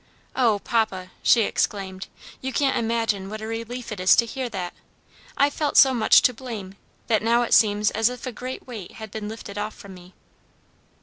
"Oh, papa," she exclaimed, "you can't imagine what a relief it is to hear that! I felt so much to blame, that now it seems as if a great weight had been lifted off from me."